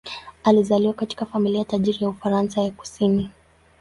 Alizaliwa katika familia tajiri ya Ufaransa ya kusini.